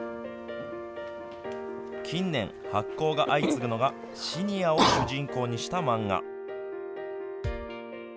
近年、発行が相次ぐのがシニアを主人公にした漫画。